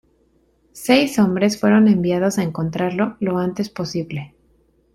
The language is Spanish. Seis hombres fueron enviados a encontrarlo lo antes posible.